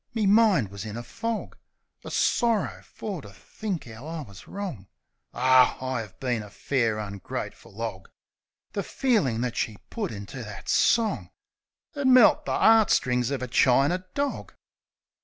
Me mind wus in a fog Of sorrer for to think 'ow I wus wrong Ar, I 'ave been a fair ungrateful 'og! The feelin' that she put into that song 'Ud melt the 'eart strings of a chiner dog.